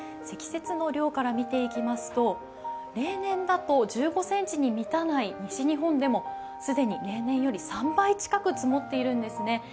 積雪の量から見ていきますと、例年だと１５ｃｍに満たない西日本でも既に例年より３倍近く積もっているんですね。